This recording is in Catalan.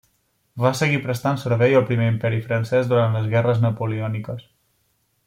Va seguir prestant servei al Primer Imperi francès durant les Guerres napoleòniques.